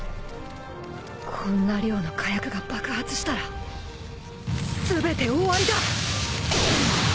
こんな量の火薬が爆発したら全て終わりだ！